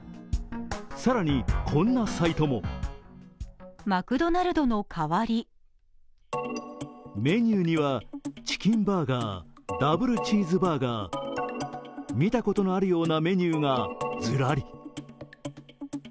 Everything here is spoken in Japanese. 更にこんなサイトもメニューにはチキンバーガー、ダブルチーズバーガー、見たことのあるようなメニューがずらり。